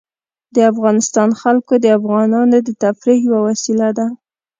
د افغانستان جلکو د افغانانو د تفریح یوه وسیله ده.